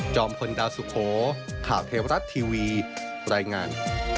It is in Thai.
พลดาวสุโขข่าวเทวรัฐทีวีรายงาน